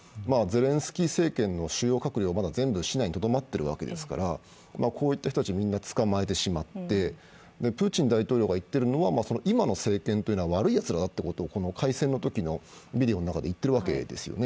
ゼレンスキー政権の主要閣僚はまだ全部、市内にとどまっているわけですから、こういう人たちをみんな捕まえてしまってプーチン大統領が言ってるのは、今の政権というのは悪いやつらだということを開戦のときのビデオで言っているわけです。